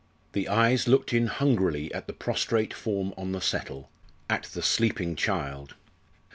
The eyes looked in hungrily at the prostrate form on the settle at the sleeping child.